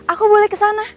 aku boleh ke sana